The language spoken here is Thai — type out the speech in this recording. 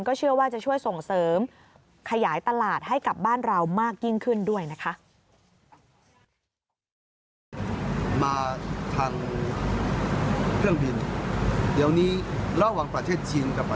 เชื่อว่าจะช่วยส่งเสริมขยายตลาดให้กับบ้านเรามากยิ่งขึ้นด้วยนะคะ